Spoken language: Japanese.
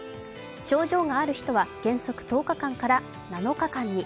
症状がある人は原則１０日間から７日間に。